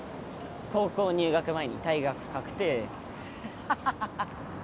高校入学前に退学確定ハハハハ